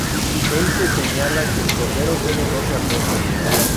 En se señala que el Cordero tiene doce apóstoles.